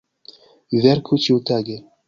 Verku ĉiutage!